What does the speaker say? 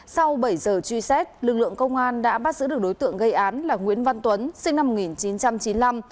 sau bảy giờ truy xét lực lượng công an đã bắt giữ được đối tượng gây án là nguyễn văn tuấn sinh năm một nghìn chín trăm chín mươi năm